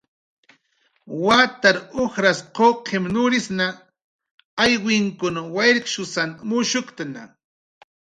Watar ujras quqim nurisn aywinkun wayrkshusan mushuktna